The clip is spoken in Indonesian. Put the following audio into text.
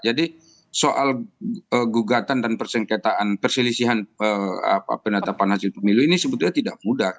jadi soal gugatan dan persengketaan perselisihan penata panas di pemilu ini sebetulnya tidak mudah